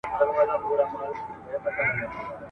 له عالمه له کتابه یې نفرت سي !.